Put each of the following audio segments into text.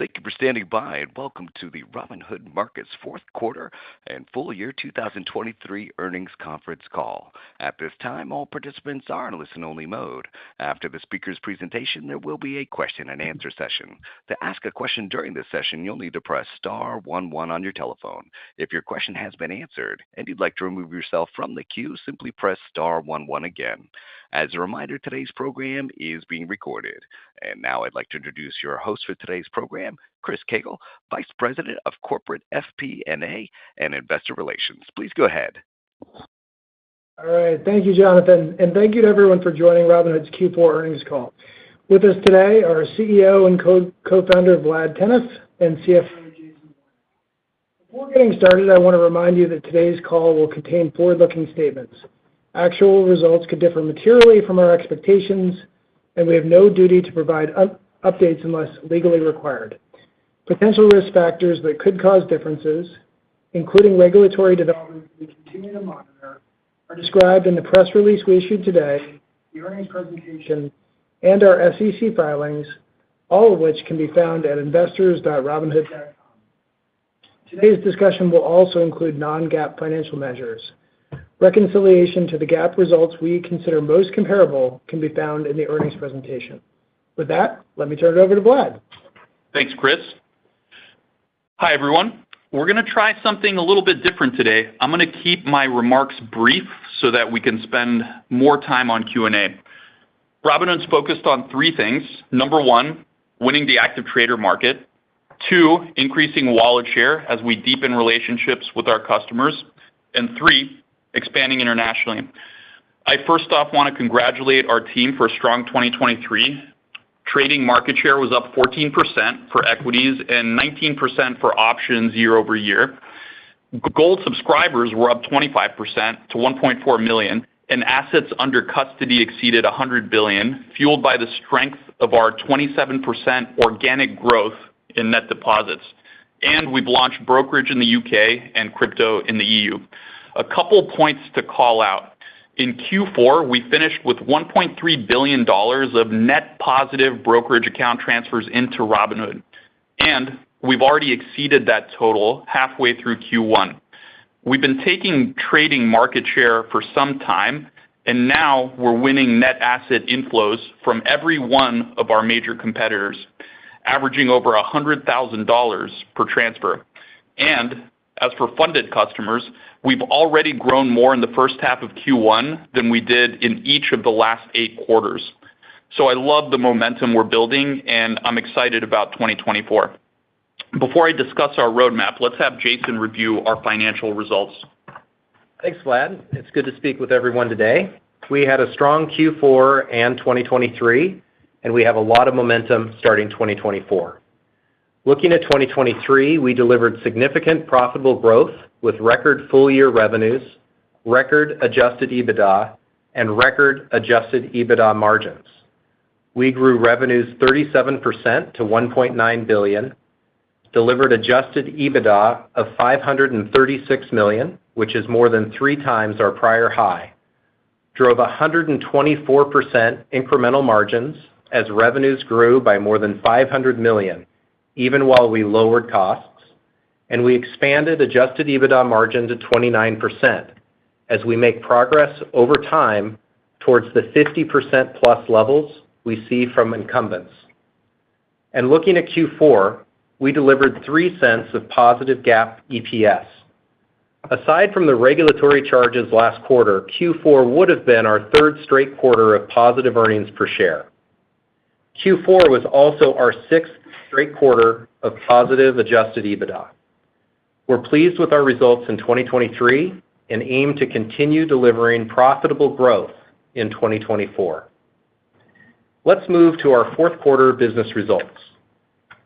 Thank you for standing by, and welcome to the Robinhood Markets' fourth quarter and full year 2023 earnings conference call. At this time, all participants are in listen-only mode. After the speaker's presentation, there will be a question-and-answer session. To ask a question during this session, you'll need to press star one one on your telephone. If your question has been answered and you'd like to remove yourself from the queue, simply press star one one again. As a reminder, today's program is being recorded. And now I'd like to introduce your host for today's program, Chris Koegel, Vice President of Corporate FP&A and Investor Relations. Please go ahead. All right. Thank you, Jonathan, and thank you to everyone for joining Robinhood's Q4 earnings call. With us today are our CEO and Co-founder, Vlad Tenev, and CFO, Jason Warnick. Before getting started, I want to remind you that today's call will contain forward-looking statements. Actual results could differ materially from our expectations, and we have no duty to provide updates unless legally required. Potential risk factors that could cause differences, including regulatory developments we continue to monitor, are described in the press release we issued today, the earnings presentation, and our SEC filings, all of which can be found at investors.robinhood.com. Today's discussion will also include non-GAAP financial measures. Reconciliation to the GAAP results we consider most comparable can be found in the earnings presentation. With that, let me turn it over to Vlad. Thanks, Chris. Hi, everyone. We're going to try something a little bit different today. I'm going to keep my remarks brief so that we can spend more time on Q&A. Robinhood's focused on three things: number one, winning the active trader market, two, increasing wallet share as we deepen relationships with our customers, and three, expanding internationally. I first off want to congratulate our team for a strong 2023. Trading market share was up 14% for equities and 19% for options year-over-year. Gold subscribers were up 25% to 1.4 million, and assets under custody exceeded $100 billion, fueled by the strength of our 27% organic growth in net deposits. And we've launched brokerage in the U.K. and crypto in the E.U. A couple points to call out. In Q4, we finished with $1.3 billion of net positive brokerage account transfers into Robinhood, and we've already exceeded that total halfway through Q1. We've been taking trading market share for some time, and now we're winning net asset inflows from every one of our major competitors, averaging over $100,000 per transfer. And as for funded customers, we've already grown more in the first half of Q1 than we did in each of the last eight quarters. So I love the momentum we're building, and I'm excited about 2024. Before I discuss our roadmap, let's have Jason review our financial results. Thanks, Vlad. It's good to speak with everyone today. We had a strong Q4 and 2023, and we have a lot of momentum starting 2024. Looking at 2023, we delivered significant profitable growth with record full-year revenues, record Adjusted EBITDA, and record Adjusted EBITDA margins. We grew revenues 37% to $1.9 billion, delivered Adjusted EBITDA of $536 million, which is more than 3x our prior high, drove 124% incremental margins as revenues grew by more than $500 million, even while we lowered costs, and we expanded Adjusted EBITDA margin to 29% as we make progress over time towards the 50%+ levels we see from incumbents. Looking at Q4, we delivered $0.03 of positive GAAP EPS. Aside from the regulatory charges last quarter, Q4 would have been our third straight quarter of positive earnings per share. Q4 was also our sixth straight quarter of positive Adjusted EBITDA. We're pleased with our results in 2023 and aim to continue delivering profitable growth in 2024. Let's move to our fourth quarter business results.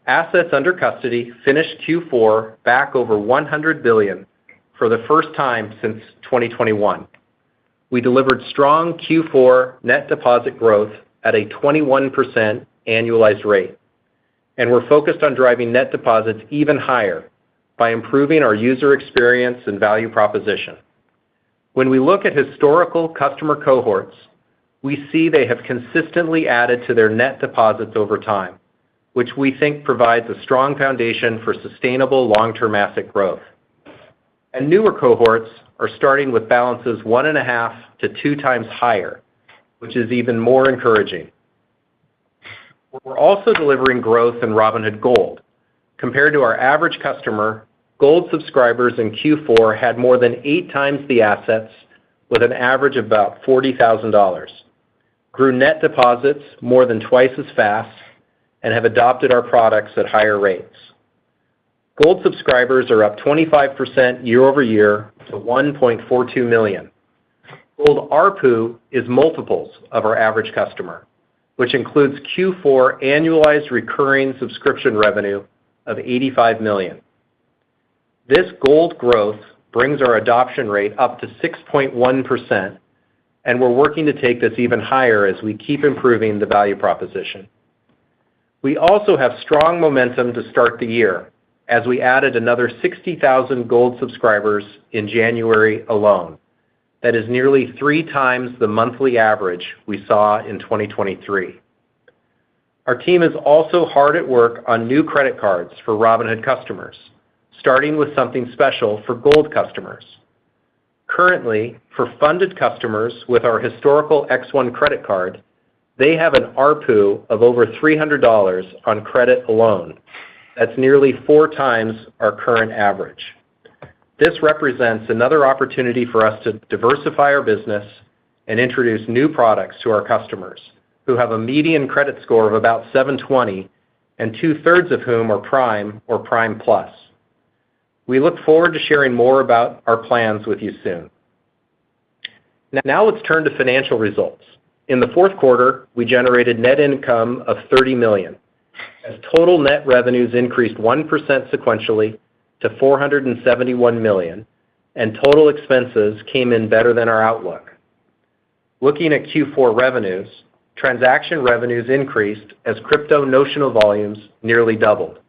Assets under custody finished Q4 back over $100 billion for the first time since 2021. We delivered strong Q4 net deposit growth at a 21% annualized rate, and we're focused on driving net deposits even higher by improving our user experience and value proposition. When we look at historical customer cohorts, we see they have consistently added to their net deposits over time, which we think provides a strong foundation for sustainable long-term asset growth. Newer cohorts are starting with balances 1.5-2x higher, which is even more encouraging. We're also delivering growth in Robinhood Gold. Compared to our average customer, Gold subscribers in Q4 had more than 8x the assets with an average of about $40,000, grew net deposits more than twice as fast, and have adopted our products at higher rates. Gold subscribers are up 25% year-over-year to 1.42 million. Gold ARPU is multiples of our average customer, which includes Q4 annualized recurring subscription revenue of $85 million. This Gold growth brings our adoption rate up to 6.1%, and we're working to take this even higher as we keep improving the value proposition. We also have strong momentum to start the year, as we added another 60,000 Gold subscribers in January alone. That is nearly 3x the monthly average we saw in 2023. Our team is also hard at work on new credit cards for Robinhood customers, starting with something special for Gold customers. Currently, for funded customers with our historical X1 credit card, they have an ARPU of over $300 on credit alone. That's nearly 4x our current average. This represents another opportunity for us to diversify our business and introduce new products to our customers, who have a median credit score of about 720, and 2/3 of whom are Prime or Prime Plus. We look forward to sharing more about our plans with you soon. Now, let's turn to financial results. In the fourth quarter, we generated net income of $30 million, as total net revenues increased 1% sequentially to $471 million, and total expenses came in better than our outlook. Looking at Q4 revenues, transaction revenues increased as crypto notional volumes nearly doubled,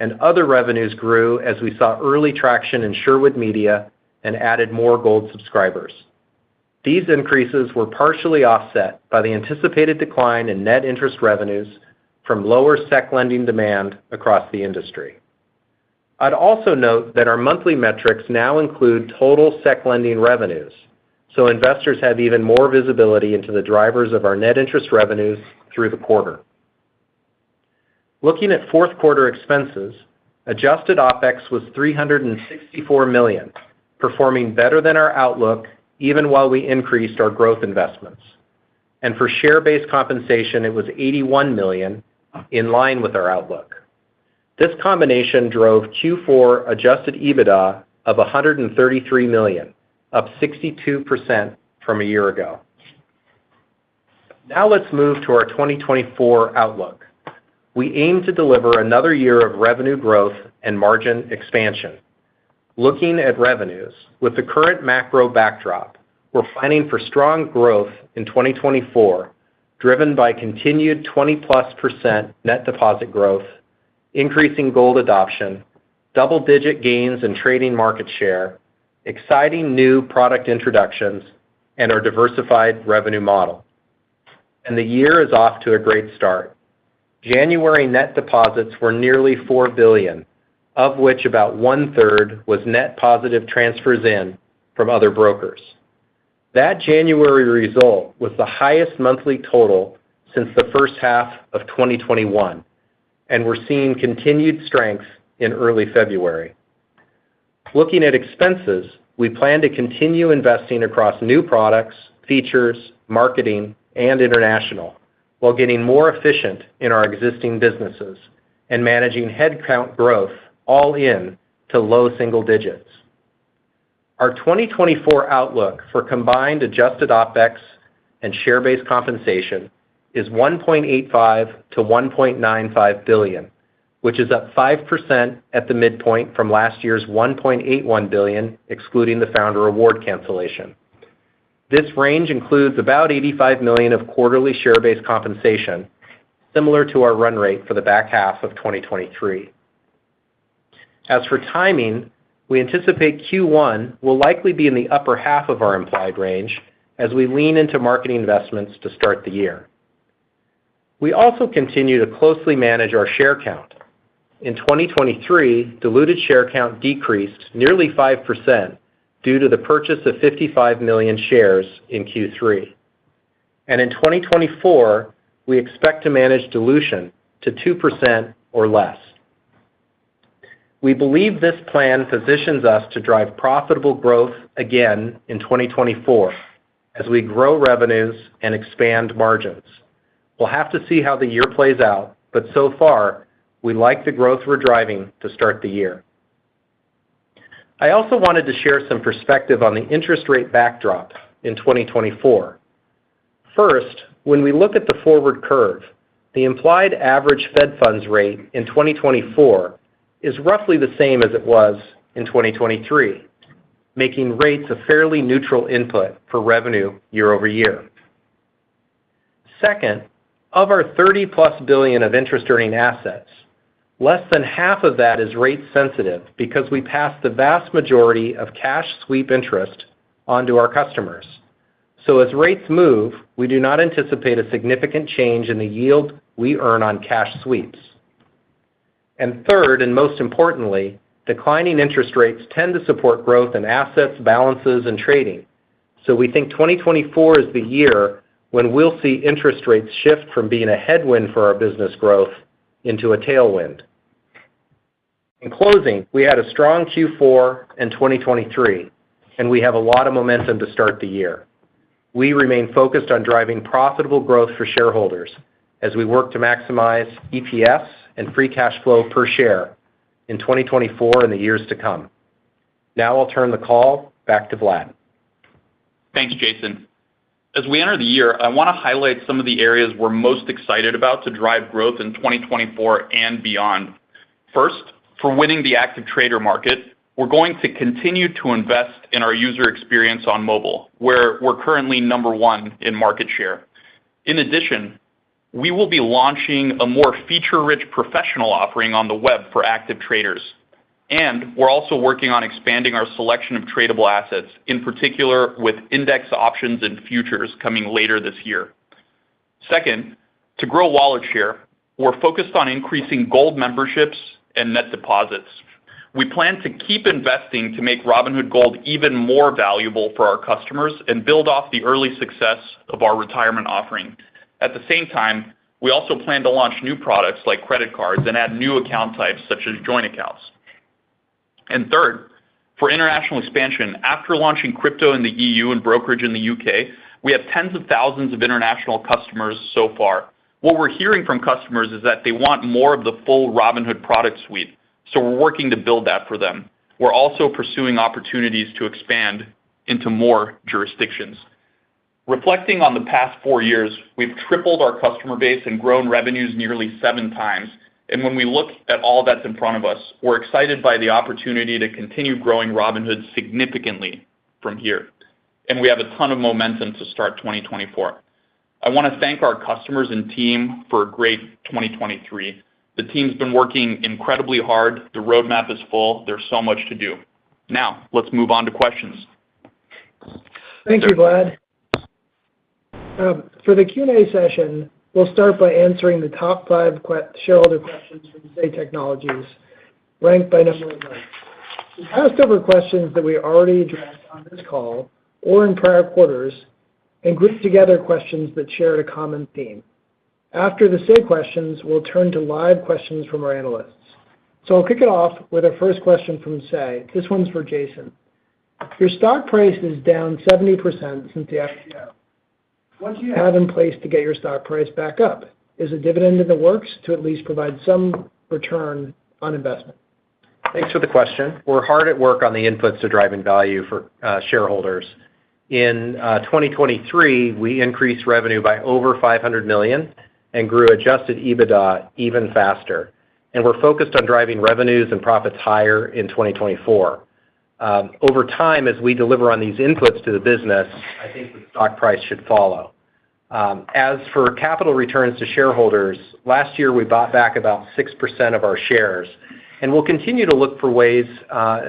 and other revenues grew as we saw early traction in Sherwood Media and added more Gold subscribers. These increases were partially offset by the anticipated decline in net interest revenues from lower Sec lending demand across the industry. I'd also note that our monthly metrics now include total Sec lending revenues, so investors have even more visibility into the drivers of our net interest revenues through the quarter. Looking at fourth quarter expenses, adjusted OpEx was $364 million, performing better than our outlook, even while we increased our growth investments. And for share-based compensation, it was $81 million, in line with our outlook. This combination drove Q4 adjusted EBITDA of $133 million, up 62% from a year ago. Now let's move to our 2024 outlook. We aim to deliver another year of revenue growth and margin expansion. Looking at revenues, with the current macro backdrop, we're planning for strong growth in 2024, driven by continued 20+% net deposit growth, increasing Gold adoption, double-digit gains in trading market share, exciting new product introductions, and our diversified revenue model. The year is off to a great start. January net deposits were nearly $4 billion, of which about 1/3 was net positive transfers in from other brokers. That January result was the highest monthly total since the first half of 2021, and we're seeing continued strength in early February. Looking at expenses, we plan to continue investing across new products, features, marketing, and international, while getting more efficient in our existing businesses and managing headcount growth all in to low single digits. Our 2024 outlook for combined adjusted OpEx and share-based compensation is $1.85 billion-$1.95 billion, which is up 5% at the midpoint from last year's $1.81 billion, excluding the founder award cancellation. This range includes about $85 million of quarterly share-based compensation, similar to our run rate for the back half of 2023. As for timing, we anticipate Q1 will likely be in the upper half of our implied range as we lean into marketing investments to start the year. We also continue to closely manage our share count. In 2023, diluted share count decreased nearly 5% due to the purchase of 55 million shares in Q3. In 2024, we expect to manage dilution to 2% or less. We believe this plan positions us to drive profitable growth again in 2024 as we grow revenues and expand margins. We'll have to see how the year plays out, but so far, we like the growth we're driving to start the year. I also wanted to share some perspective on the interest rate backdrop in 2024. First, when we look at the forward curve, the implied average Fed Funds rate in 2024 is roughly the same as it was in 2023, making rates a fairly neutral input for revenue year-over-year. Second, of our $30+ billion of interest-earning assets, less than half of that is rate sensitive because we pass the vast majority of cash sweep interest onto our customers. So as rates move, we do not anticipate a significant change in the yield we earn on cash sweeps. And third, and most importantly, declining interest rates tend to support growth in assets, balances, and trading. So we think 2024 is the year when we'll see interest rates shift from being a headwind for our business growth into a tailwind. In closing, we had a strong Q4 in 2023, and we have a lot of momentum to start the year. We remain focused on driving profitable growth for shareholders as we work to maximize EPS and free cash flow per share in 2024 and the years to come. Now I'll turn the call back to Vlad. Thanks, Jason. As we enter the year, I want to highlight some of the areas we're most excited about to drive growth in 2024 and beyond. First, for winning the active trader market, we're going to continue to invest in our user experience on mobile, where we're currently number one in market share. In addition, we will be launching a more feature-rich professional offering on the web for active traders, and we're also working on expanding our selection of tradable assets, in particular, with index options and futures coming later this year. Second, to grow wallet share, we're focused on increasing Gold memberships and net deposits. We plan to keep investing to make Robinhood Gold even more valuable for our customers and build off the early success of our retirement offering. At the same time, we also plan to launch new products like credit cards and add new account types, such as joint accounts. And third, for international expansion, after launching crypto in the EU and brokerage in the U.K., we have tens of thousands of international customers so far. What we're hearing from customers is that they want more of the full Robinhood product suite, so we're working to build that for them. We're also pursuing opportunities to expand into more jurisdictions. Reflecting on the past four years, we've tripled our customer base and grown revenues nearly seven times, and when we look at all that's in front of us, we're excited by the opportunity to continue growing Robinhood significantly from here, and we have a ton of momentum to start 2024. I want to thank our customers and team for a great 2023. The team's been working incredibly hard. The roadmap is full. There's so much to do. Now, let's move on to questions. Thank you, Vlad. For the Q&A session, we'll start by answering the top five shareholder questions from Say Technologies, ranked by number of likes. We passed over questions that we already addressed on this call or in prior quarters, and grouped together questions that shared a common theme. After the Say questions, we'll turn to live questions from our analysts. So I'll kick it off with our first question from Say. This one's for Jason: Your stock price is down 70% since the IPO. What do you have in place to get your stock price back up? Is a dividend in the works to at least provide some return on investment? Thanks for the question. We're hard at work on the inputs to driving value for shareholders. In 2023, we increased revenue by over $500 million and grew Adjusted EBITDA even faster, and we're focused on driving revenues and profits higher in 2024. Over time, as we deliver on these inputs to the business, I think the stock price should follow. As for capital returns to shareholders, last year, we bought back about 6% of our shares, and we'll continue to look for ways,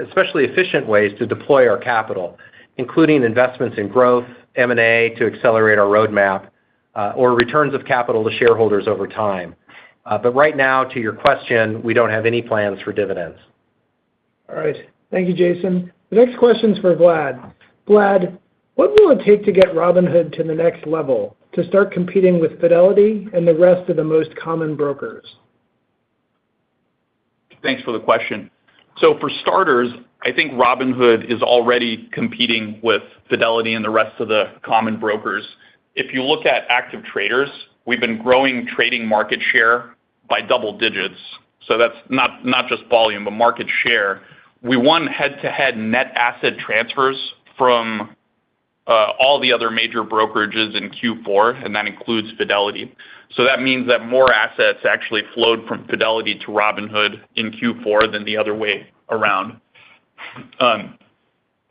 especially efficient ways, to deploy our capital, including investments in growth, M&A, to accelerate our roadmap, or returns of capital to shareholders over time. But right now, to your question, we don't have any plans for dividends. All right. Thank you, Jason. The next question is for Vlad. Vlad, what will it take to get Robinhood to the next level, to start competing with Fidelity and the rest of the most common brokers? Thanks for the question. So for starters, I think Robinhood is already competing with Fidelity and the rest of the common brokers. If you look at active traders, we've been growing trading market share by double digits, so that's not just volume, but market share. We won head-to-head net asset transfers from all the other major brokerages in Q4, and that includes Fidelity. So that means that more assets actually flowed from Fidelity to Robinhood in Q4 than the other way around.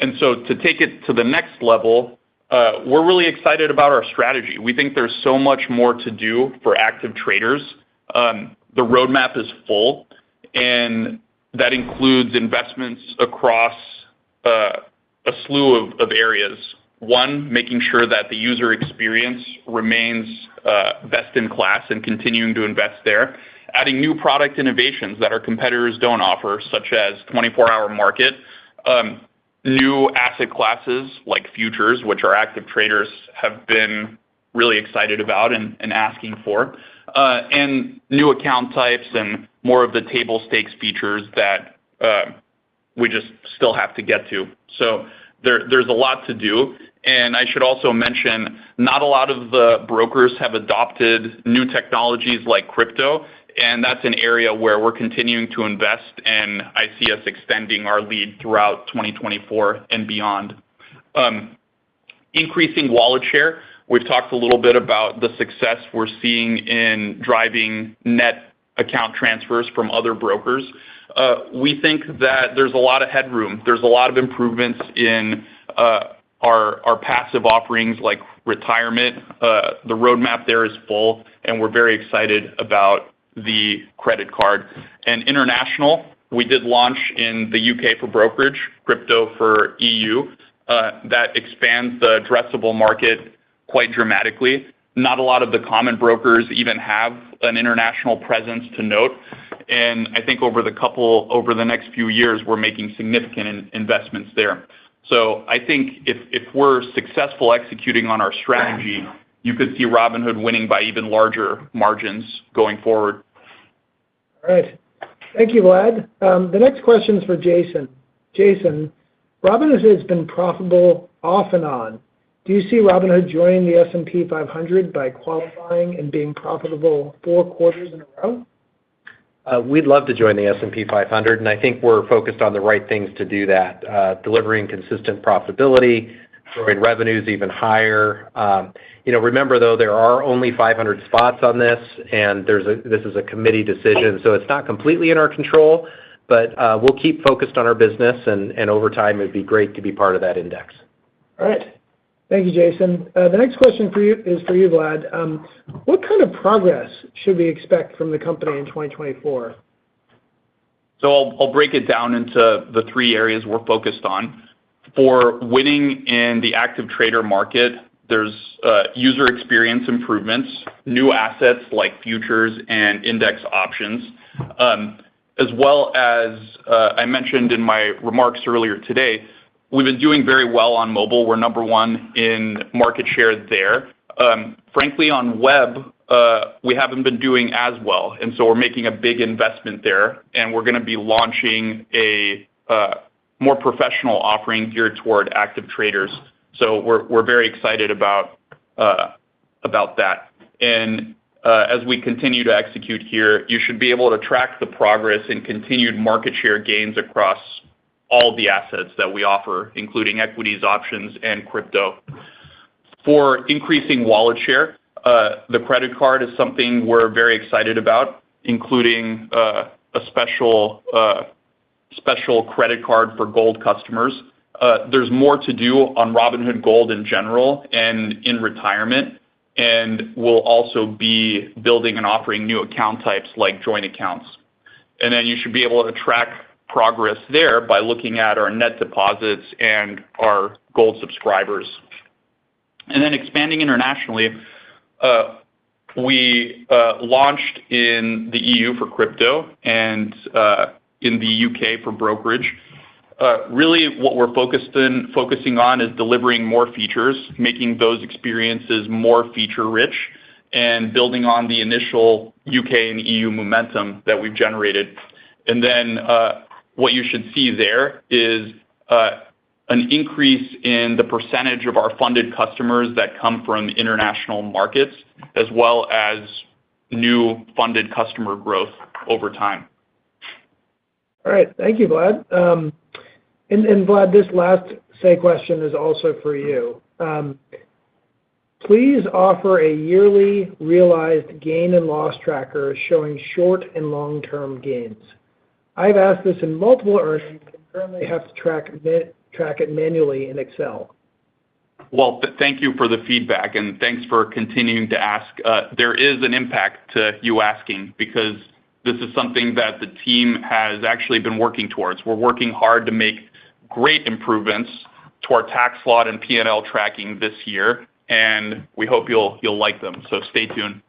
And so to take it to the next level, we're really excited about our strategy. We think there's so much more to do for active traders. The roadmap is full, and that includes investments across a slew of areas. One, making sure that the user experience remains best in class and continuing to invest there. Adding new product innovations that our competitors don't offer, such as 24 Hour Market, new asset classes, like futures, which our active traders have been really excited about and asking for, and new account types and more of the table stakes features that, we just still have to get to. So there's a lot to do. And I should also mention, not a lot of the brokers have adopted new technologies like crypto, and that's an area where we're continuing to invest, and I see us extending our lead throughout 2024 and beyond. Increasing wallet share. We've talked a little bit about the success we're seeing in driving net account transfers from other brokers. We think that there's a lot of headroom. There's a lot of improvements in, our passive offerings, like retirement. The roadmap there is full, and we're very excited about the credit card. International, we did launch in the U.K. for brokerage, crypto for EU, that expands the addressable market quite dramatically. Not a lot of the common brokers even have an international presence to note, and I think over the next few years, we're making significant investments there. So I think if we're successful executing on our strategy, you could see Robinhood winning by even larger margins going forward. All right. Thank you, Vlad. The next question is for Jason. Jason, Robinhood has been profitable off and on. Do you see Robinhood joining the S&P 500 by qualifying and being profitable four quarters in a row? We'd love to join the S&P 500, and I think we're focused on the right things to do that, delivering consistent profitability, growing revenues even higher. You know, remember, though, there are only 500 spots on this, and there's a, this is a committee decision, so it's not completely in our control, but, we'll keep focused on our business, and, and over time, it'd be great to be part of that index.... All right. Thank you, Jason. The next question for you is for you, Vlad. What kind of progress should we expect from the company in 2024? So I'll break it down into the three areas we're focused on. For winning in the active trader market, there's user experience improvements, new assets like futures and index options, as well as I mentioned in my remarks earlier today, we've been doing very well on mobile. We're number one in market share there. Frankly, on web, we haven't been doing as well, and so we're making a big investment there, and we're gonna be launching a more professional offering geared toward active traders. So we're very excited about that. As we continue to execute here, you should be able to track the progress and continued market share gains across all the assets that we offer, including equities, options, and crypto. For increasing wallet share, the credit card is something we're very excited about, including a special credit card for Gold customers. There's more to do on Robinhood Gold in general and in retirement, and we'll also be building and offering new account types like joint accounts. And then you should be able to track progress there by looking at our net deposits and our Gold subscribers. And then expanding internationally, we launched in the EU for crypto and in the U.K. for brokerage. Really, what we're focusing on is delivering more features, making those experiences more feature-rich, and building on the initial U.K. and EU momentum that we've generated. Then, what you should see there is an increase in the percentage of our funded customers that come from international markets, as well as new funded customer growth over time. All right. Thank you, Vlad. And Vlad, this last, say, question is also for you. Please offer a yearly realized gain and loss tracker showing short and long-term gains. I've asked this in multiple areas, and currently have to track it manually in Excel. Well, thank you for the feedback, and thanks for continuing to ask. There is an impact to you asking, because this is something that the team has actually been working towards. We're working hard to make great improvements to our tax lot and PNL tracking this year, and we hope you'll, you'll like them. So stay tuned.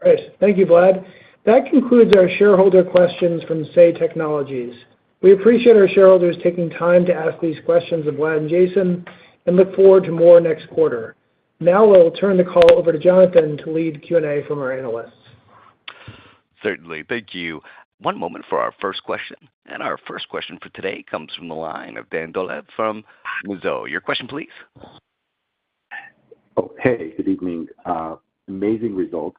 Great. Thank you, Vlad. That concludes our shareholder questions from Say Technologies. We appreciate our shareholders taking time to ask these questions of Vlad and Jason, and look forward to more next quarter. Now, we'll turn the call over to Jonathan to lead Q&A from our analysts. Certainly. Thank you. One moment for our first question, and our first question for today comes from the line of Dan Dolev from Mizuho. Your question, please. Oh, hey, good evening. Amazing results.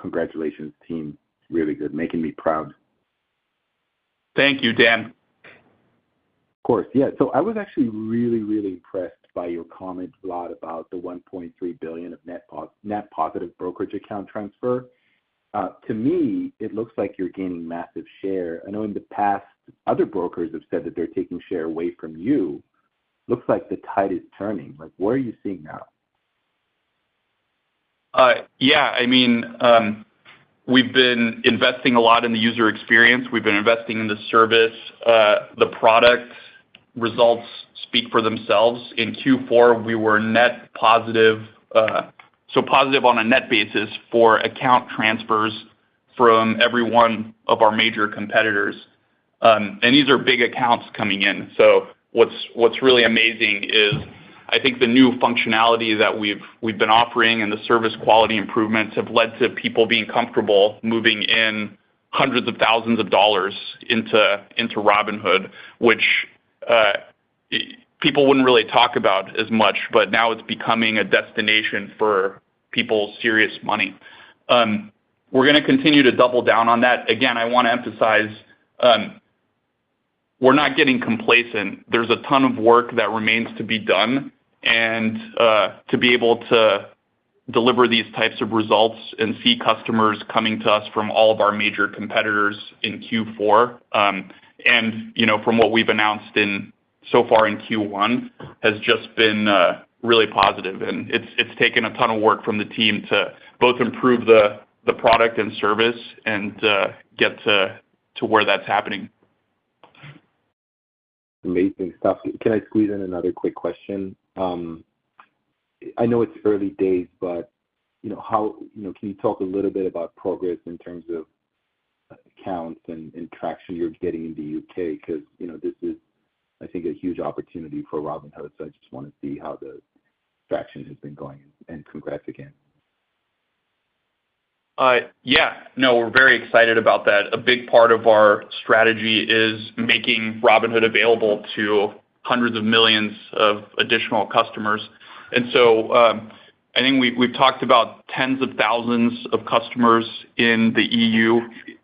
Congratulations, team. Really good, making me proud. Thank you, Dan. Of course. Yeah, so I was actually really, really impressed by your comments, Vlad, about the $1.3 billion of net positive brokerage account transfer. To me, it looks like you're gaining massive share. I know in the past, other brokers have said that they're taking share away from you. Looks like the tide is turning. Like, what are you seeing now? Yeah, I mean, we've been investing a lot in the user experience. We've been investing in the service, the product. Results speak for themselves. In Q4, we were net positive, so positive on a net basis for account transfers from every one of our major competitors. And these are big accounts coming in. So what's really amazing is, I think the new functionality that we've been offering and the service quality improvements have led to people being comfortable moving in hundreds of thousands of dollars into Robinhood, which people wouldn't really talk about as much, but now it's becoming a destination for people's serious money. We're gonna continue to double down on that. Again, I wanna emphasize, we're not getting complacent. There's a ton of work that remains to be done, and to be able to deliver these types of results and see customers coming to us from all of our major competitors in Q4, and, you know, from what we've announced in, so far in Q1, has just been really positive. And it's taken a ton of work from the team to both improve the product and service and get to where that's happening. Amazing stuff. Can I squeeze in another quick question? I know it's early days, but you know, how, you know, can you talk a little bit about progress in terms of accounts and traction you're getting in the U.K.? Because, you know, this is, I think, a huge opportunity for Robinhood, so I just wanna see how the traction has been going, and congrats again. Yeah, no, we're very excited about that. A big part of our strategy is making Robinhood available to hundreds of millions of additional customers. And so, I think we've talked about tens of thousands of customers in the EU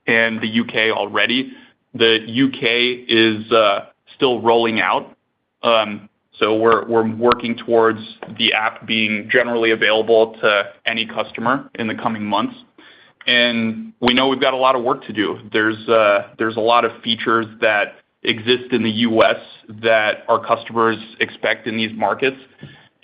and the U.K. already. The U.K. is still rolling out, so we're working towards the app being generally available to any customer in the coming months. And we know we've got a lot of work to do. There's a lot of features that exist in the US that our customers expect in these markets.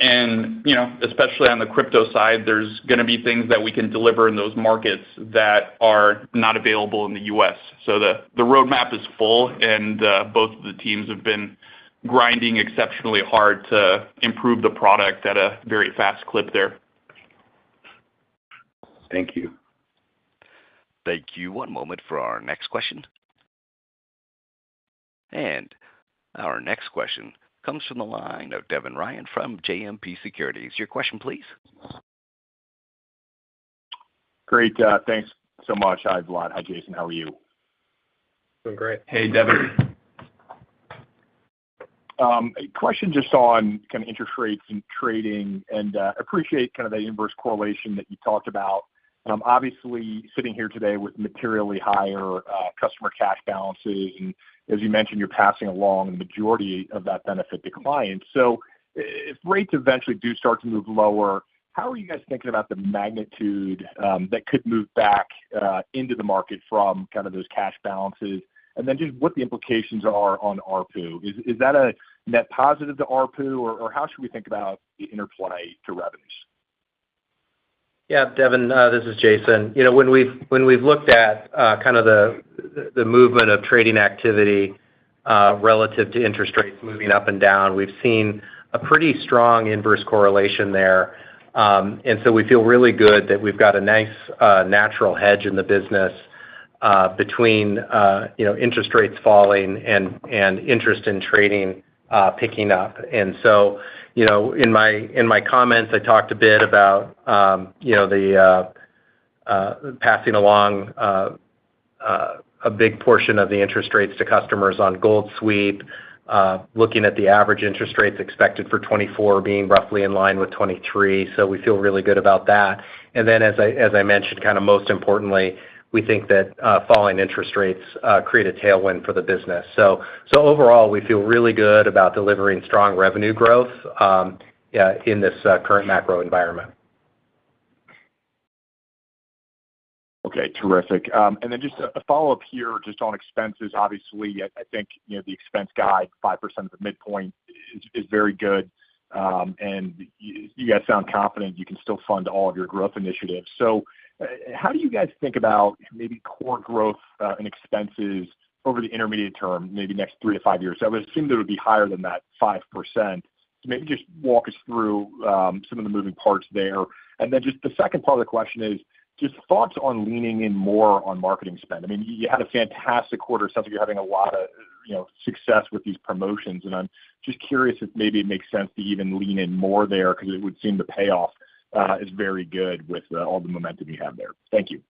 And, you know, especially on the crypto side, there's gonna be things that we can deliver in those markets that are not available in the U.S. So the roadmap is full, and both of the teams have been grinding exceptionally hard to improve the product at a very fast clip there. Thank you. Thank you. One moment for our next question. Our next question comes from the line of Devin Ryan from JMP Securities. Your question, please. Great. Thanks so much. Hi, Vlad. Hi, Jason. How are you? Doing great. Hey, Devin. A question just on kind of interest rates and trading, and appreciate kind of the inverse correlation that you talked about. Obviously, sitting here today with materially higher customer cash balances, and as you mentioned, you're passing along the majority of that benefit to clients. So if rates eventually do start to move lower, how are you guys thinking about the magnitude that could move back into the market from kind of those cash balances? And then just what the implications are on ARPU. Is that a net positive to ARPU, or how should we think about the interplay to revenues? Yeah, Devin, this is Jason. You know, when we've looked at kind of the movement of trading activity relative to interest rates moving up and down, we've seen a pretty strong inverse correlation there. And so we feel really good that we've got a nice natural hedge in the business between you know, interest rates falling and interest in trading picking up. And so, you know, in my comments, I talked a bit about you know, passing along a big portion of the interest rates to customers on Gold Sweep looking at the average interest rates expected for 2024 being roughly in line with 2023. So we feel really good about that. And then, as I mentioned, kind of most importantly, we think that falling interest rates create a tailwind for the business. So overall, we feel really good about delivering strong revenue growth, yeah, in this current macro environment. Okay, terrific. And then just a follow-up here, just on expenses. Obviously, I think, you know, the expense guide, 5% of the midpoint is very good, and you guys sound confident you can still fund all of your growth initiatives. So how do you guys think about maybe core growth and expenses over the intermediate term, maybe next three to five years? I would assume that it would be higher than that 5%. So maybe just walk us through some of the moving parts there. And then just the second part of the question is, just thoughts on leaning in more on marketing spend. I mean, you had a fantastic quarter. Sounds like you're having a lot of, you know, success with these promotions, and I'm just curious if maybe it makes sense to even lean in more there, 'cause it would seem the payoff is very good with all the momentum you have there. Thank you.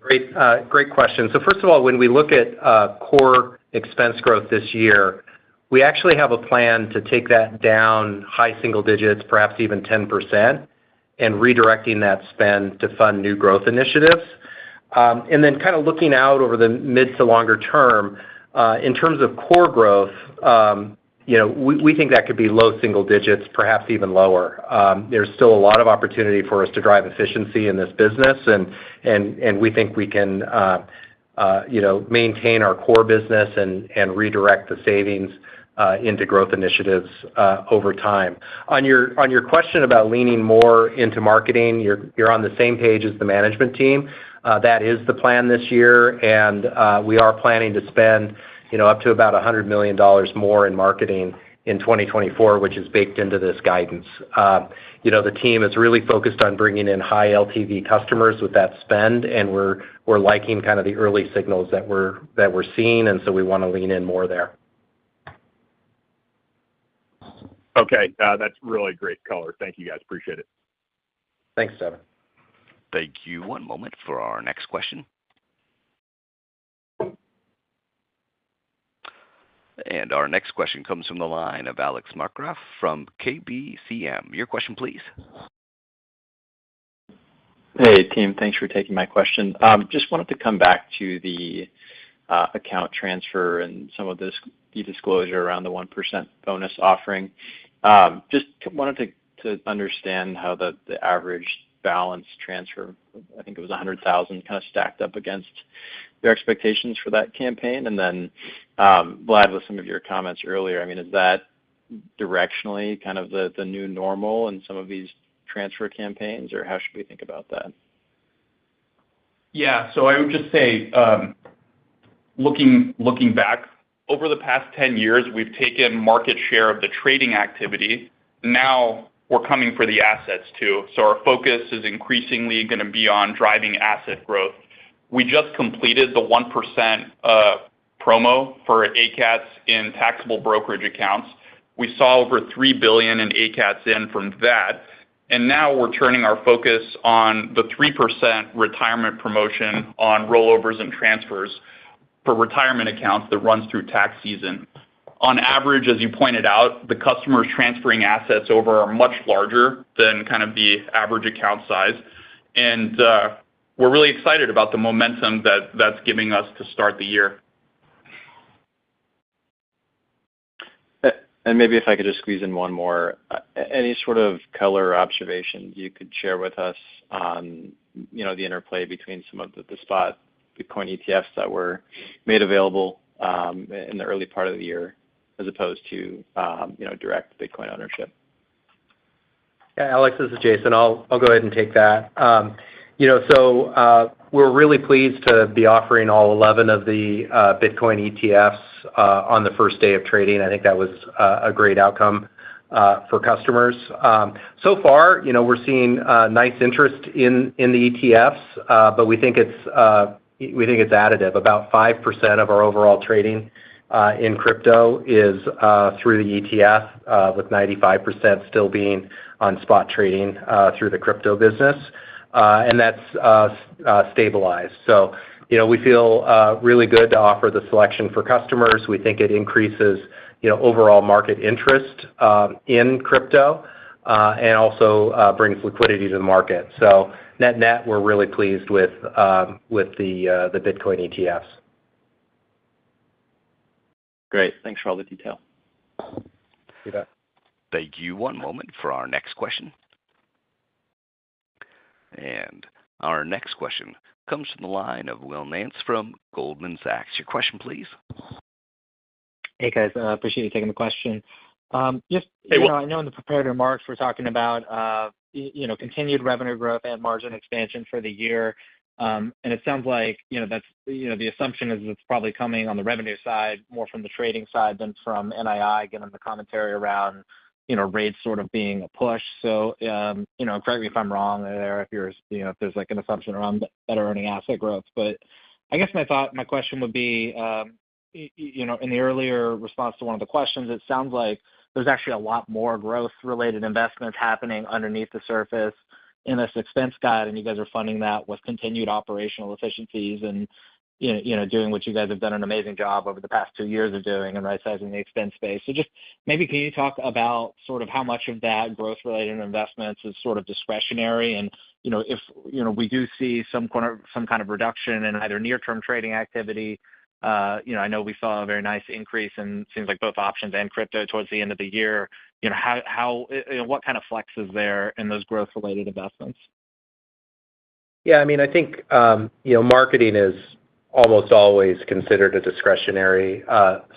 Great, great question. So first of all, when we look at, core expense growth this year, we actually have a plan to take that down high single digits, perhaps even 10%, and redirecting that spend to fund new growth initiatives. And then kind of looking out over the mid to longer term, in terms of core growth, you know, we, we think that could be low single digits, perhaps even lower. There's still a lot of opportunity for us to drive efficiency in this business, and we think we can, you know, maintain our core business and redirect the savings, into growth initiatives, over time. On your question about leaning more into marketing, you're on the same page as the management team. That is the plan this year, and we are planning to spend, you know, up to about $100 million more in marketing in 2024, which is baked into this guidance. You know, the team is really focused on bringing in high LTV customers with that spend, and we're, we're liking kind of the early signals that we're, that we're seeing, and so we want to lean in more there. Okay, that's really great color. Thank you, guys. Appreciate it. Thanks, Devin. Thank you. One moment for our next question. Our next question comes from the line of Alex Markgraf from KBCM. Your question please. Hey, team, thanks for taking my question. Just wanted to come back to the account transfer and some of this, the disclosure around the 1% bonus offering. Just wanted to understand how the average balance transfer, I think it was $100,000, kind of stacked up against your expectations for that campaign. And then, Vlad, with some of your comments earlier, I mean, is that directionally kind of the new normal in some of these transfer campaigns, or how should we think about that? Yeah. So I would just say, looking back, over the past 10 years, we've taken market share of the trading activity. Now we're coming for the assets, too. So our focus is increasingly gonna be on driving asset growth. We just completed the 1% promo for ACATS in taxable brokerage accounts. We saw over $3 billion in ACATS in from that, and now we're turning our focus on the 3% retirement promotion on rollovers and transfers for retirement accounts that runs through tax season. On average, as you pointed out, the customers transferring assets over are much larger than kind of the average account size. And we're really excited about the momentum that that's giving us to start the year. And maybe if I could just squeeze in one more. Any sort of color or observation you could share with us on, you know, the interplay between some of the, the spot, Bitcoin ETFs that were made available in the early part of the year, as opposed to, you know, direct Bitcoin ownership? Yeah, Alex, this is Jason. I'll go ahead and take that. You know, so, we're really pleased to be offering all 11 of the Bitcoin ETFs on the first day of trading. I think that was a great outcome for customers. So far, you know, we're seeing nice interest in the ETFs, but we think it's additive. About 5% of our overall trading in crypto is through the ETF, with 95% still being on spot trading through the crypto business, and that's stabilized. So, you know, we feel really good to offer the selection for customers. We think it increases, you know, overall market interest in crypto, and also brings liquidity to the market. Net-net, we're really pleased with the Bitcoin ETFs. Great. Thanks for all the detail. See that. Thank you. One moment for our next question. Our next question comes from the line of Will Nance from Goldman Sachs. Your question, please. Hey, guys, appreciate you taking the question. Just- Hey, Will. I know in the prepared remarks, we're talking about, you know, continued revenue growth and margin expansion for the year. And it sounds like, you know, that's you know, the assumption is it's probably coming on the revenue side, more from the trading side than from NII, given the commentary around, you know, rates sort of being a push. So, you know, correct me if I'm wrong there, if you're, you know, if there's, like, an assumption around better earning asset growth. But I guess my thought, my question would be, you know, in the earlier response to one of the questions, it sounds like there's actually a lot more growth-related investments happening underneath the surface in this expense guide, and you guys are funding that with continued operational efficiencies and, you know, you know, doing what you guys have done an amazing job over the past two years of doing and rightsizing the expense base. So just maybe, can you talk about sort of how much of that growth-related investments is sort of discretionary? And, you know, if, you know, we do see some kind of reduction in either near-term trading activity, you know, I know we saw a very nice increase in seems like both options and crypto towards the end of the year. You know, how what kind of flex is there in those growth-related investments? Yeah, I mean, I think, you know, marketing is almost always considered a discretionary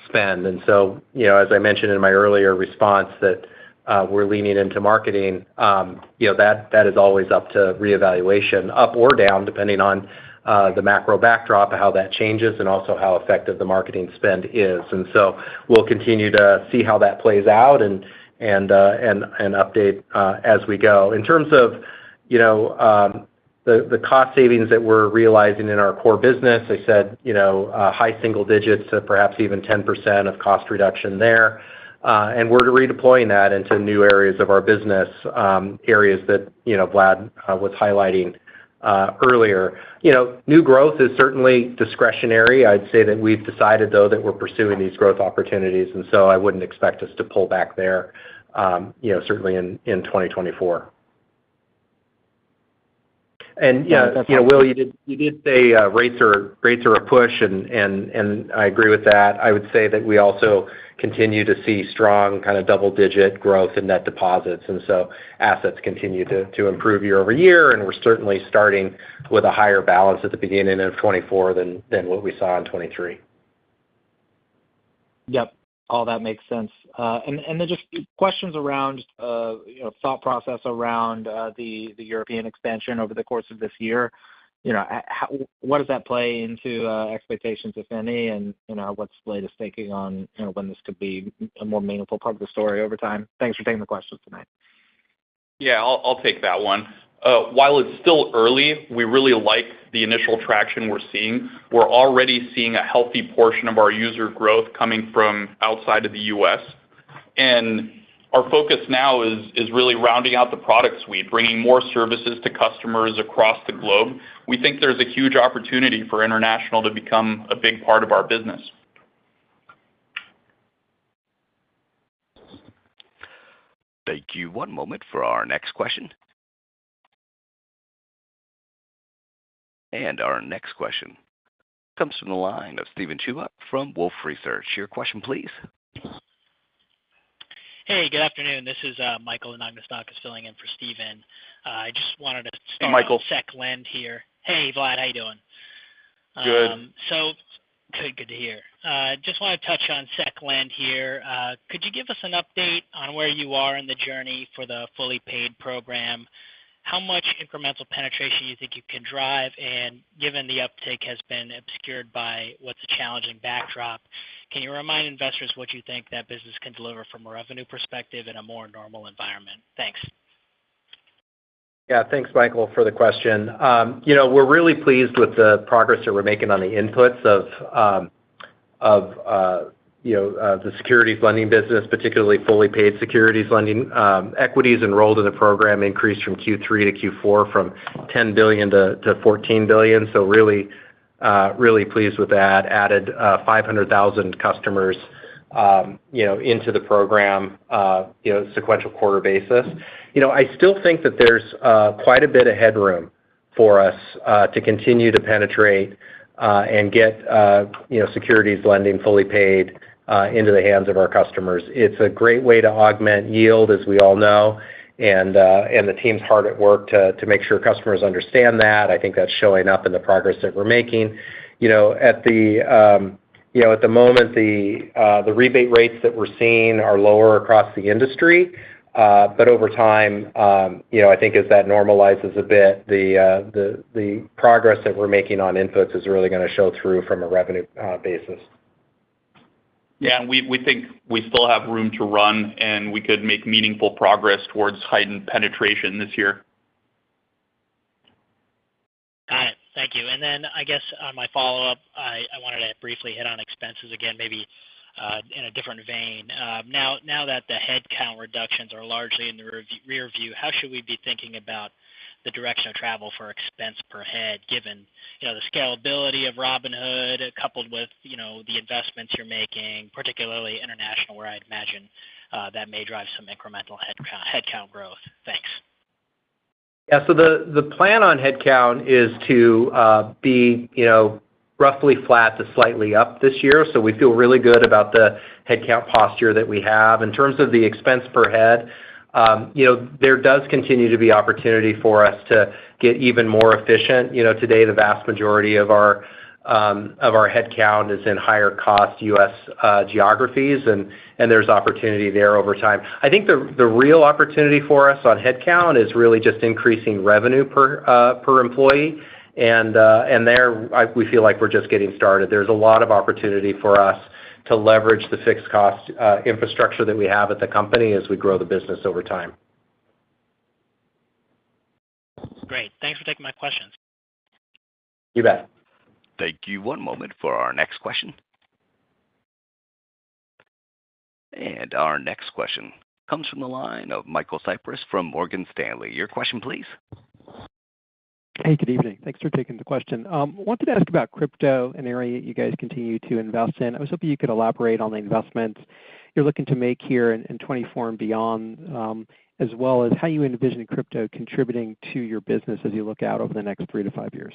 spend. And so, you know, as I mentioned in my earlier response, that we're leaning into marketing, you know, that is always up to reevaluation, up or down, depending on the macro backdrop of how that changes and also how effective the marketing spend is. And so we'll continue to see how that plays out and update as we go. In terms of, you know, the cost savings that we're realizing in our core business, I said, you know, high single digits to perhaps even 10% of cost reduction there. And we're redeploying that into new areas of our business, areas that, you know, Vlad was highlighting earlier. You know, new growth is certainly discretionary. I'd say that we've decided, though, that we're pursuing these growth opportunities, and so I wouldn't expect us to pull back there, you know, certainly in 2024. And, yeah, you know, Will, you did say rates are a push, and I agree with that. I would say that we also continue to see strong kind of double-digit growth in net deposits, and so assets continue to improve year-over-year, and we're certainly starting with a higher balance at the beginning of 2024 than what we saw in 2023. Yep. All that makes sense. And then just questions around, you know, thought process around the European expansion over the course of this year. You know, how—what does that play into expectations, if any, and, you know, what's the latest thinking on, you know, when this could be a more meaningful part of the story over time? Thanks for taking the questions tonight. Yeah, I'll, I'll take that one. While it's still early, we really like the initial traction we're seeing. We're already seeing a healthy portion of our user growth coming from outside of the U.S., and our focus now is, is really rounding out the product suite, bringing more services to customers across the globe. We think there's a huge opportunity for international to become a big part of our business. Thank you. One moment for our next question. Our next question comes from the line of Steven Chubak from Wolfe Research. Your question, please. Hey, good afternoon. This is Michael Anagnostakis filling in for Steven. I just wanted to start- Hey, Michael. on Sec Lend here. Hey, Vlad, how you doing? Good. So good, good to hear. Just want to touch on Sec Lend here. Could you give us an update on where you are in the journey for the fully paid program? How much incremental penetration you think you can drive? And given the uptake has been obscured by what's a challenging backdrop, can you remind investors what you think that business can deliver from a revenue perspective in a more normal environment? Thanks. Yeah. Thanks, Michael, for the question. You know, we're really pleased with the progress that we're making on the inputs of, you know, the securities lending business, particularly fully paid securities lending. Equities enrolled in the program increased from Q3 to Q4, from $10 billion-$14 billion, so really pleased with that. Added 500,000 customers, you know, into the program, you know, sequential quarter basis. You know, I still think that there's quite a bit of headroom for us to continue to penetrate and get, you know, securities lending fully paid into the hands of our customers. It's a great way to augment yield, as we all know, and the team's hard at work to make sure customers understand that. I think that's showing up in the progress that we're making. You know, at the, you know, at the moment, the rebate rates that we're seeing are lower across the industry, but over time, you know, I think as that normalizes a bit, the progress that we're making on inputs is really gonna show through from a revenue basis. Yeah, and we think we still have room to run, and we could make meaningful progress towards heightened penetration this year. Got it. Thank you. And then I guess on my follow-up, I wanted to briefly hit on expenses again, maybe in a different vein. Now that the headcount reductions are largely in the rear view, how should we be thinking about the direction of travel for expense per head, given you know the scalability of Robinhood, coupled with you know the investments you're making, particularly international, where I'd imagine that may drive some incremental headcount growth? Thanks. Yeah. So the plan on headcount is to be, you know, roughly flat to slightly up this year. So we feel really good about the headcount posture that we have. In terms of the expense per head, you know, there does continue to be opportunity for us to get even more efficient. You know, today, the vast majority of our headcount is in higher cost U.S. geographies, and there's opportunity there over time. I think the real opportunity for us on headcount is really just increasing revenue per employee, and there, we feel like we're just getting started. There's a lot of opportunity for us to leverage the fixed cost infrastructure that we have at the company as we grow the business over time. Great. Thanks for taking my questions. You bet. Thank you. One moment for our next question. Our next question comes from the line of Michael Cyprys from Morgan Stanley. Your question please. Hey, good evening. Thanks for taking the question. Wanted to ask about crypto, an area you guys continue to invest in. I was hoping you could elaborate on the investments you're looking to make here in, in 2024 and beyond, as well as how you envision crypto contributing to your business as you look out over the next three to five years?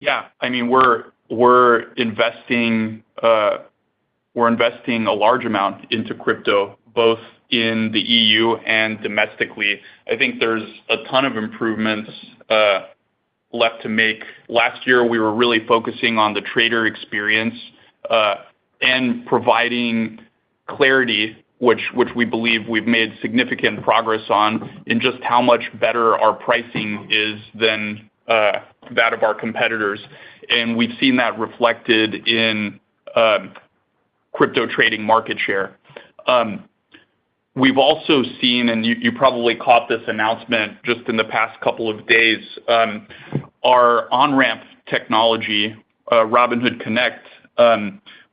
Yeah, I mean, we're investing a large amount into crypto, both in the EU and domestically. I think there's a ton of improvements left to make. Last year, we were really focusing on the trader experience and providing clarity, which we believe we've made significant progress on, in just how much better our pricing is than that of our competitors. And we've seen that reflected in crypto trading market share. We've also seen, and you probably caught this announcement just in the past couple of days, our on-ramp technology, Robinhood Connect,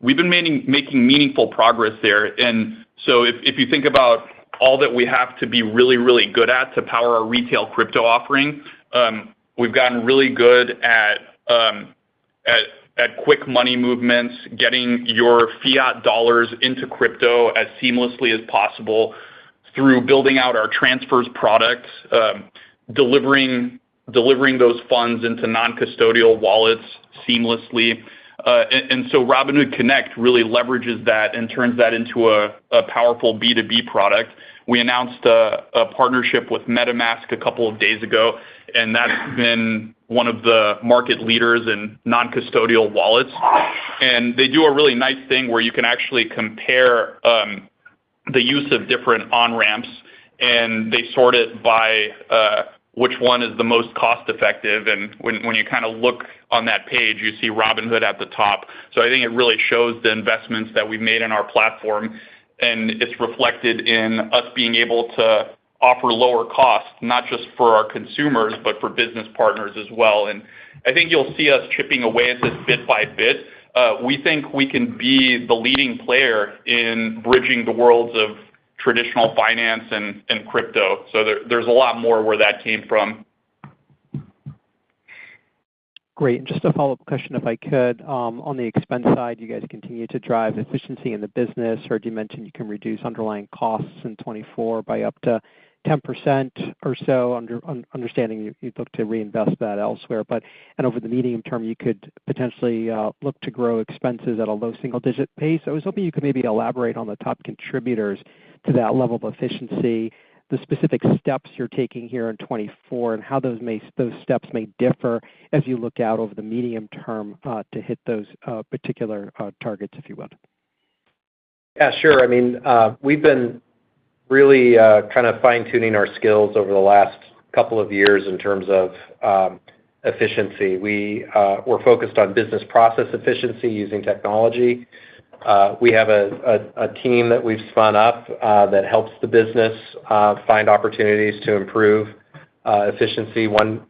we've been making meaningful progress there. And so if you think about all that we have to be really, really good at to power our retail crypto offering, we've gotten really good at quick money movements, getting your fiat dollars into crypto as seamlessly as possible through building out our transfers products, delivering those funds into non-custodial wallets seamlessly. And so Robinhood Connect really leverages that and turns that into a powerful B2B product. We announced a partnership with MetaMask a couple of days ago, and that's been one of the market leaders in non-custodial wallets. And they do a really nice thing where you can actually compare the use of different on-ramps, and they sort it by which one is the most cost effective, and when you kind of look on that page, you see Robinhood at the top. So I think it really shows the investments that we've made in our platform, and it's reflected in us being able to offer lower costs, not just for our consumers, but for business partners as well. And I think you'll see us chipping away at this bit by bit. We think we can be the leading player in bridging the worlds of traditional finance and crypto. So there, there's a lot more where that came from. Great. And just a follow-up question, if I could. On the expense side, you guys continue to drive efficiency in the business, or you mentioned you can reduce underlying costs in 2024 by up to 10% or so, understanding you, you'd look to reinvest that elsewhere. But and over the medium term, you could potentially look to grow expenses at a low single digit pace. I was hoping you could maybe elaborate on the top contributors to that level of efficiency, the specific steps you're taking here in 2024, and how those steps may differ as you look out over the medium term to hit those particular targets, if you would. Yeah, sure. I mean, we've been really kind of fine-tuning our skills over the last couple of years in terms of efficiency. We're focused on business process efficiency using technology. We have a team that we've spun up that helps the business find opportunities to improve efficiency. One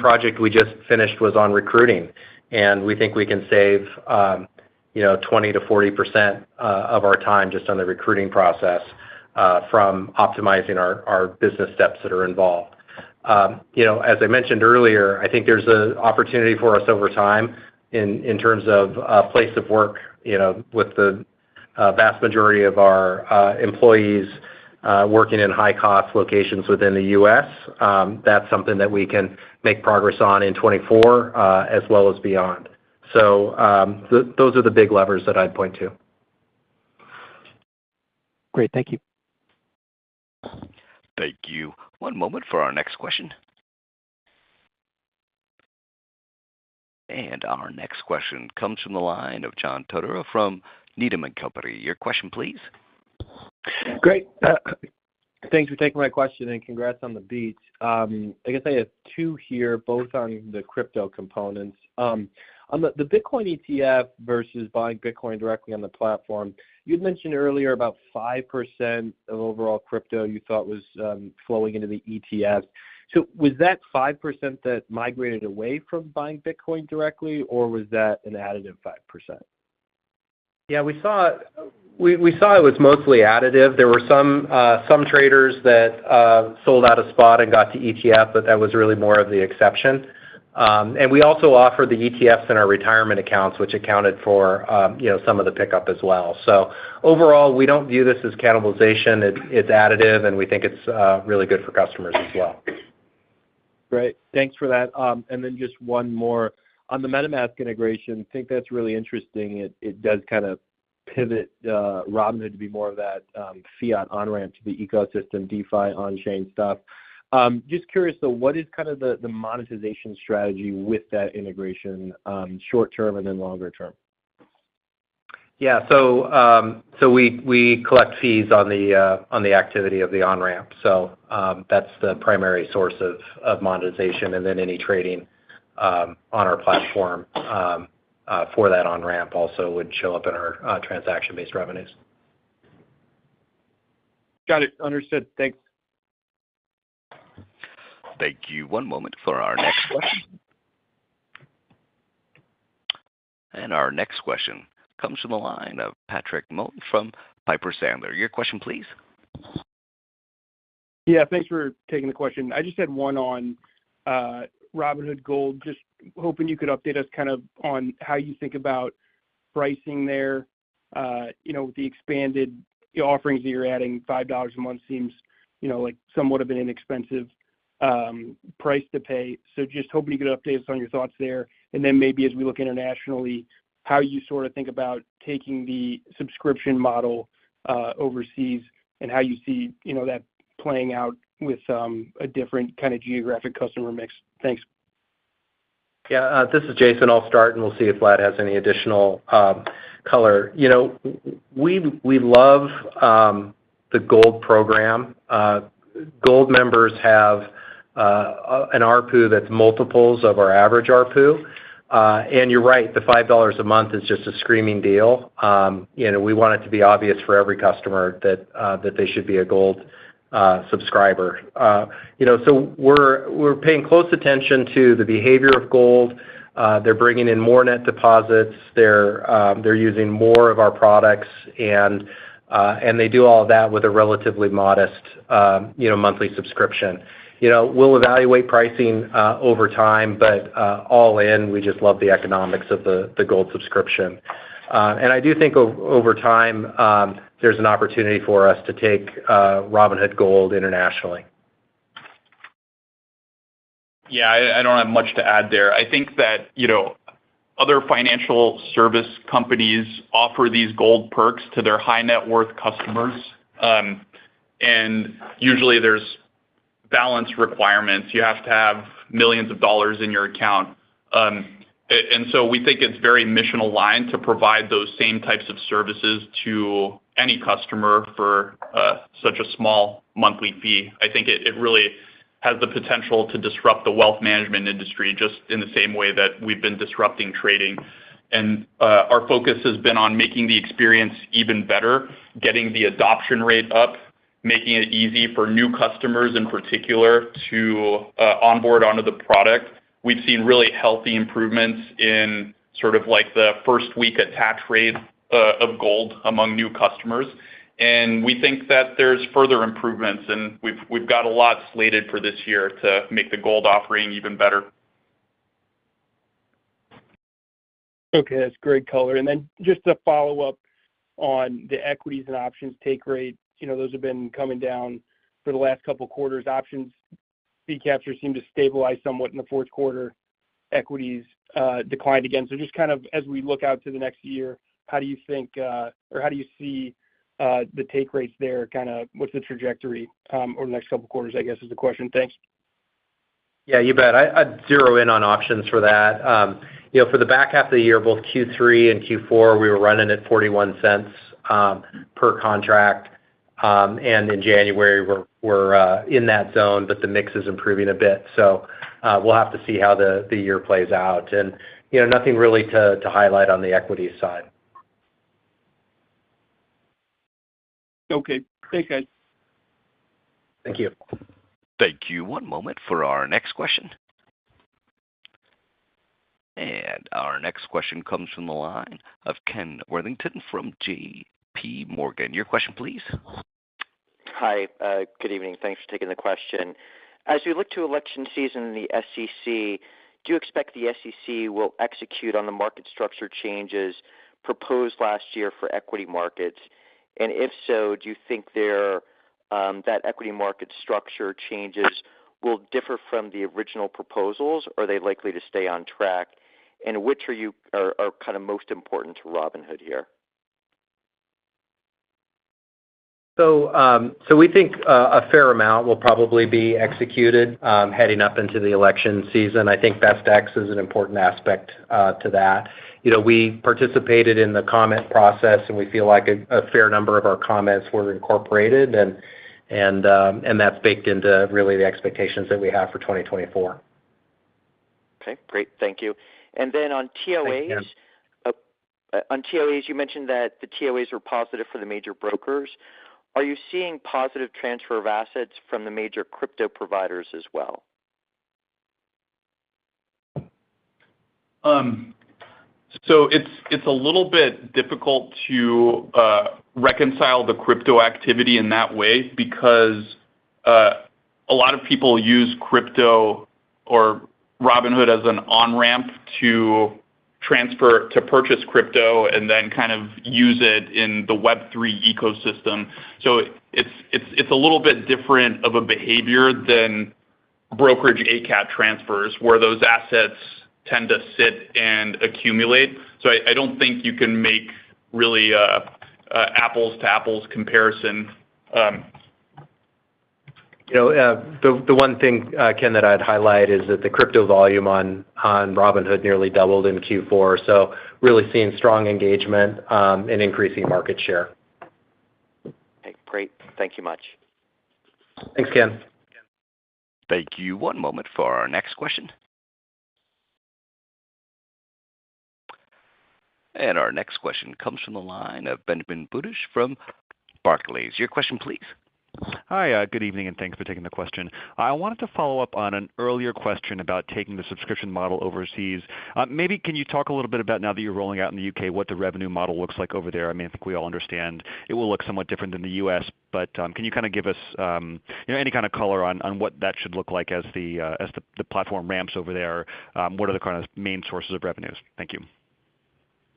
project we just finished was on recruiting, and we think we can save, you know, 20%-40% of our time just on the recruiting process from optimizing our business steps that are involved. You know, as I mentioned earlier, I think there's an opportunity for us over time in terms of place of work, you know, with the... A vast majority of our employees working in high-cost locations within the U.S., that's something that we can make progress on in 2024, as well as beyond. Those are the big levers that I'd point to. Great. Thank you. Thank you. One moment for our next question. Our next question comes from the line of John Todaro from Needham & Company. Your question, please. Great. Thanks for taking my question, and congrats on the beat. I guess I have two here, both on the crypto components. On the Bitcoin ETF versus buying Bitcoin directly on the platform, you'd mentioned earlier about 5% of overall crypto you thought was flowing into the ETF. So was that 5% that migrated away from buying Bitcoin directly, or was that an additive 5%? Yeah, we saw it was mostly additive. There were some traders that sold out a spot and got to ETF, but that was really more of the exception. And we also offered the ETFs in our retirement accounts, which accounted for, you know, some of the pickup as well. So overall, we don't view this as cannibalization. It's additive, and we think it's really good for customers as well. Great. Thanks for that. And then just one more. On the MetaMask integration, I think that's really interesting. It does kind of pivot Robinhood to be more of that fiat on-ramp to the ecosystem, DeFi, on-chain stuff. Just curious, though, what is kind of the monetization strategy with that integration, short term and then longer term? Yeah. So, so we collect fees on the activity of the on-ramp. So, that's the primary source of monetization, and then any trading on our platform for that on-ramp also would show up in our transaction-based revenues. Got it. Understood. Thanks. Thank you. One moment for our next question. Our next question comes from the line of Patrick Moley from Piper Sandler. Your question, please. Yeah, thanks for taking the question. I just had one on, Robinhood Gold. Just hoping you could update us kind of on how you think about pricing there. You know, the expanded offerings that you're adding, $5 a month seems, you know, like, somewhat of an inexpensive, price to pay. So just hoping you could update us on your thoughts there. And then maybe as we look internationally, how you sort of think about taking the subscription model, overseas and how you see, you know, that playing out with, a different kind of geographic customer mix. Thanks. Yeah, this is Jason. I'll start, and we'll see if Vlad has any additional color. You know, we love the Gold program. Gold members have an ARPU that's multiples of our average ARPU. And you're right, the $5 a month is just a screaming deal. You know, we want it to be obvious for every customer that they should be a Gold subscriber. You know, so we're paying close attention to the behavior of Gold. They're bringing in more net deposits. They're using more of our products, and they do all of that with a relatively modest, you know, monthly subscription. You know, we'll evaluate pricing over time, but all in, we just love the economics of the Gold subscription. I do think over time, there's an opportunity for us to take Robinhood Gold internationally. Yeah, I don't have much to add there. I think that, you know, other financial service companies offer these Gold perks to their high-net-worth customers, and usually there's balance requirements. You have to have millions of dollars in your account. And so we think it's very mission-aligned to provide those same types of services to any customer for such a small monthly fee. I think it really has the potential to disrupt the wealth management industry, just in the same way that we've been disrupting trading. And our focus has been on making the experience even better, getting the adoption rate up, making it easy for new customers, in particular, to onboard onto the product. We've seen really healthy improvements in sort of like the first week attach rate of Gold among new customers, and we think that there's further improvements, and we've got a lot slated for this year to make the Gold offering even better. Okay, that's great color. And then just to follow up on the equities and options take rates. You know, those have been coming down for the last couple of quarters. Options, fee capture seemed to stabilize somewhat in the fourth quarter. Equities declined again. So just kind of as we look out to the next year, how do you think or how do you see the take rates there, kind of what's the trajectory over the next couple of quarters, I guess, is the question. Thanks. Yeah, you bet. I'd zero in on options for that. You know, for the back half of the year, both Q3 and Q4, we were running at $0.41 per contract. In January, we're in that zone, but the mix is improving a bit. So, we'll have to see how the year plays out, and you know, nothing really to highlight on the equity side. Okay. Thanks, guys. Thank you. Thank you. One moment for our next question. Our next question comes from the line of Ken Worthington from JPMorgan. Your question, please?... Hi, good evening. Thanks for taking the question. As we look to election season and the SEC, do you expect the SEC will execute on the market structure changes proposed last year for equity markets? And if so, do you think that equity market structure changes will differ from the original proposals, or are they likely to stay on track? And which are kind of most important to Robinhood here? So, so we think a fair amount will probably be executed heading up into the election season. I think Best Ex is an important aspect to that. You know, we participated in the comment process, and we feel like a fair number of our comments were incorporated, and that's baked into really the expectations that we have for 2024. Okay, great. Thank you. And then on TOAs- Thanks, Ken. On TOAs, you mentioned that the TOAs were positive for the major brokers. Are you seeing positive transfer of assets from the major crypto providers as well? So it's a little bit difficult to reconcile the crypto activity in that way because a lot of people use crypto or Robinhood as an on-ramp to transfer, to purchase crypto and then kind of use it in the Web3 ecosystem. So it's a little bit different of a behavior than brokerage ACAT transfers, where those assets tend to sit and accumulate. So I don't think you can make really an apples-to-apples comparison. You know, the one thing, Ken, that I'd highlight is that the crypto volume on Robinhood nearly doubled in Q4, so really seeing strong engagement, and increasing market share. Okay, great. Thank you much. Thanks, Ken. Thank you. One moment for our next question. Our next question comes from the line of Benjamin Budish from Barclays. Your question please. Hi, good evening, and thanks for taking the question. I wanted to follow up on an earlier question about taking the subscription model overseas. Maybe can you talk a little bit about, now that you're rolling out in the U.K., what the revenue model looks like over there? I mean, I think we all understand it will look somewhat different than the U.S., but, can you kind of give us, you know, any kind of color on, on what that should look like as the, as the, the platform ramps over there? What are the kind of main sources of revenues? Thank you.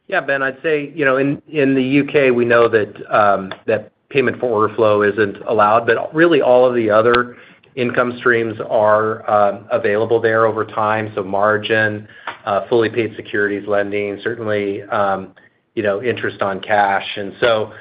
Yeah, Ben, I'd say, you know, in the U.K., we know that payment for order flow isn't allowed, but really, all of the other income streams are available there over time. So margin, fully paid securities lending, certainly, you know, interest on cash. And so,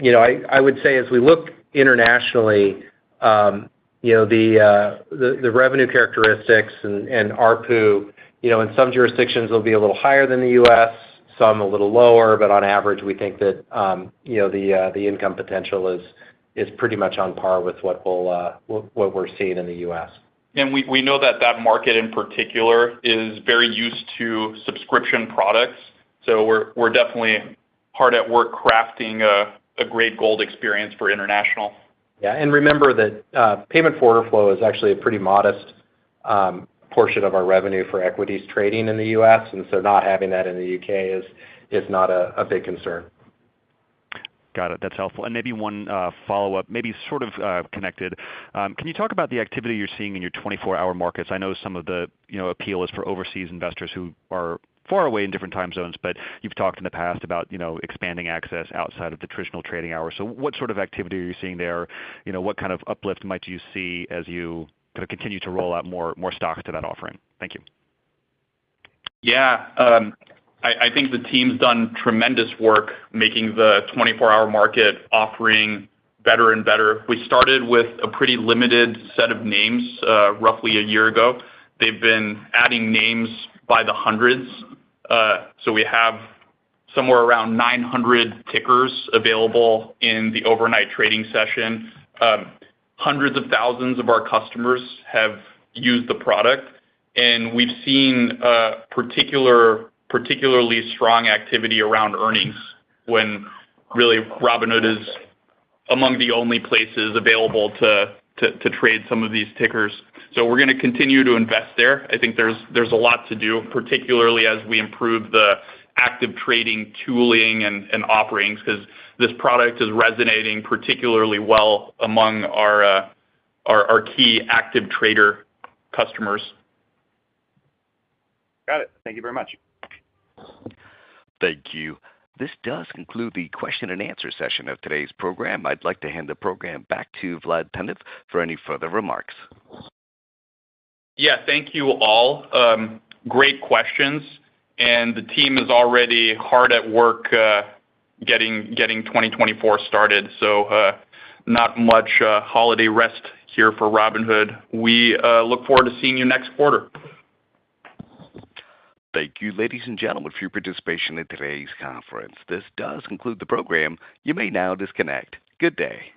you know, I would say as we look internationally, you know, the revenue characteristics and ARPU, you know, in some jurisdictions will be a little higher than the U.S., some a little lower, but on average, we think that, you know, the income potential is pretty much on par with what we'll, what we're seeing in the U.S. We, we know that that market in particular is very used to subscription products, so we're, we're definitely hard at work crafting a, a great Gold experience for international. Yeah, and remember that payment for order flow is actually a pretty modest portion of our revenue for equities trading in the U.S., and so not having that in the U.K. is not a big concern. Got it. That's helpful. And maybe one follow-up, maybe sort of connected. Can you talk about the activity you're seeing in your 24 Hour Markets? I know some of the, you know, appeal is for overseas investors who are far away in different time zones, but you've talked in the past about, you know, expanding access outside of the traditional trading hours. So what sort of activity are you seeing there? You know, what kind of uplift might you see as you kind of continue to roll out more stock to that offering? Thank you. Yeah, I think the team's done tremendous work making the 24 Hour Market offering better and better. We started with a pretty limited set of names, roughly a year ago. They've been adding names by the hundreds, so we have somewhere around 900 tickers available in the overnight trading session. Hundreds of thousands of our customers have used the product, and we've seen particularly strong activity around earnings, when really, Robinhood is among the only places available to trade some of these tickers. So we're gonna continue to invest there. I think there's a lot to do, particularly as we improve the active trading tooling and offerings, because this product is resonating particularly well among our key active trader customers. Got it. Thank you very much. Thank you. This does conclude the question and answer session of today's program. I'd like to hand the program back to Vlad Tenev for any further remarks. Yeah, thank you all. Great questions, and the team is already hard at work getting 2024 started, so not much holiday rest here for Robinhood. We look forward to seeing you next quarter. Thank you, ladies and gentlemen, for your participation in today's conference. This does conclude the program. You may now disconnect. Good day.